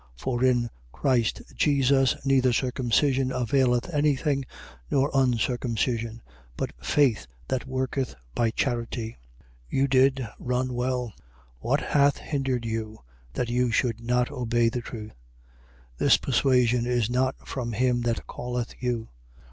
5:6. For in Christ Jesus neither circumcision availeth any thing nor uncircumcision: but faith that worketh by Charity. 5:7. You did run well. What hath hindered you, that you should not obey the truth? 5:8. This persuasion is not from him that calleth you.